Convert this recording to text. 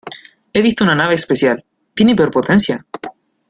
He visto una nave especial. ¿ Tiene hiperpotencia?